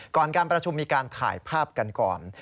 การประชุมมีการถ่ายภาพกันก่อน